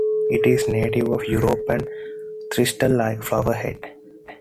It is a native of Europe and a thistle like flower head.